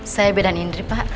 saya bedan indri pak